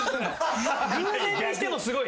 偶然にしてもすごい。